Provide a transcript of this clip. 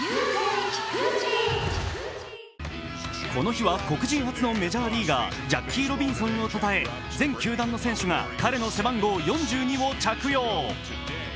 この日は黒人初のメジャーリーガージャッキー・ロビンソンをたたえ全球団の選手が彼の背番号４２を着用。